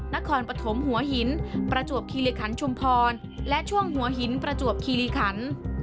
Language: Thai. นครปฐมหัวหินประจวบคิริคันชุมพรและช่วงหัวหินประจวบคีรีคัน